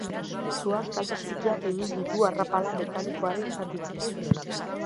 Suak kalte txikiak egin ditu arrapala mekanikoaren zati batean.